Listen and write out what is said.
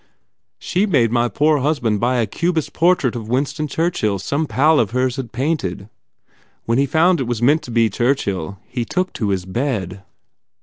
She made my poor husband buy a cubist portrait of Winston Churchill some pal of hers painted. When he found it was meant to be Churchill he took to his bed."